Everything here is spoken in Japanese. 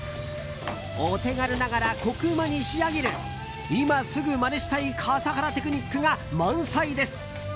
お手軽ながらコクうまに仕上げる今すぐまねしたい笠原テクニックが満載です。